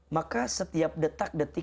maka setiap detak detik